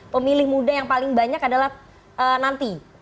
pemilih muda yang paling banyak adalah nanti